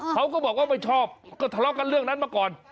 เขาก็บอกว่าไม่ชอบก็ทะเลาะกันเรื่องนั้นมาก่อน